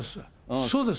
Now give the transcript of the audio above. そうです。